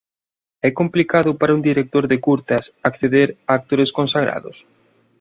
É complicado para un director de curtas acceder a actores consagrados?